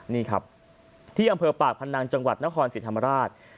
นี่ครับที่อำเภอปากพนังจังหวัดนครศรีธรรมราช